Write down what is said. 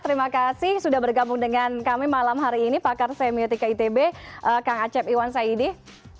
terima kasih sudah bergabung dengan kami malam hari ini pakar semiotika itb kang acep iwan saidih